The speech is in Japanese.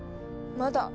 まだ。